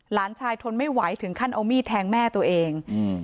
หลานชายทนไม่ไหวถึงขั้นเอามีดแทงแม่ตัวเองอืม